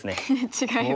違います。